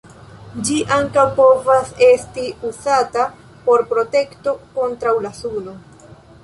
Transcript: Ĝi ankaŭ povas esti uzata por protekto kontraŭ la suno.